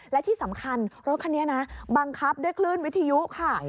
และที่สำคัญรถคันนี้นะบังคับด้วยคลื่นวิทยุค่ะ